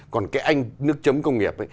còn cái anh nước chấm công nghiệp